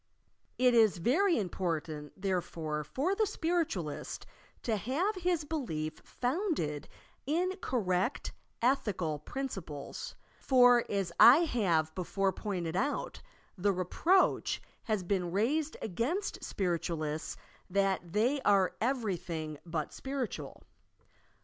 It is very im portant, therefore, for the Spiritualist to have his belief founded in correct ethical principles, for, as I have before pointed out, the reproach has been raised against Spiritualists that "they are everything but spiritual."